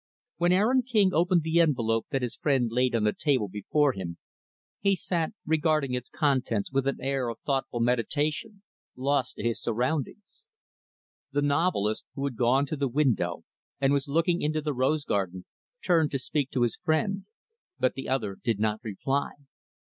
When Aaron King opened the envelope that his friend laid on the table before him, he sat regarding its contents with an air of thoughtful meditation lost to his surroundings. The novelist who had gone to the window and was looking into the rose garden turned to speak to his friend; but the other did not reply.